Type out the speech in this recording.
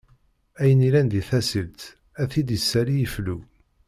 Ayen illan di tasilt, ad t-id issali iflu.